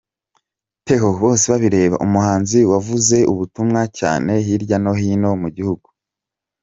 Theo Bosebabireba: Umuhanzi wavuze ubutumwa cyane hirya no hini mu gihugu.